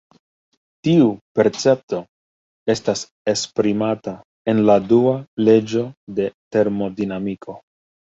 Tiu percepto estas esprimata en la dua leĝo de termodinamiko.